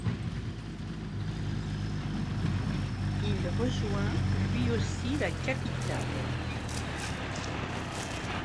Il rejoint lui aussi la capitale.